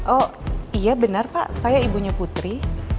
oh iya benar pak saya ibunya putri